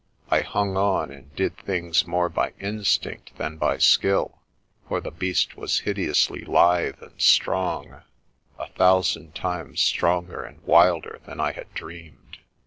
I hung on and did things more by instinct than by skill, for the beast was hideously lithe and strong, a thousand times stronger and wilder than I had dreamed.